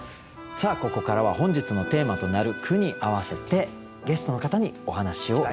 ここからは本日のテーマとなる句に合わせてゲストの方にお話を伺います。